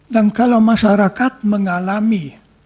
dan kalau masyarakat mengalami